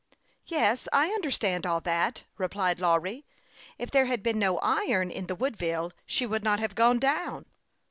" Yes, I understand all that," replied Lawry. " If there had been no iron in the Woodville she would nut have gone down.